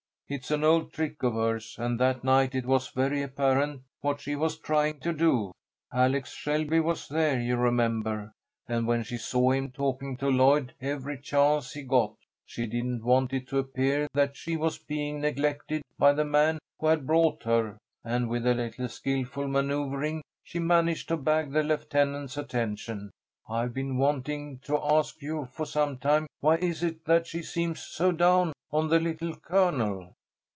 It is an old trick of hers, and that night it was very apparent what she was trying to do. Alex Shelby was there, you remember, and when she saw him talking to Lloyd every chance he got, she didn't want it to appear that she was being neglected by the man who had brought her, and with a little skilful manoeuvring she managed to bag the lieutenant's attention. I've been wanting to ask you for some time, why is it that she seems so down on the Little Colonel?"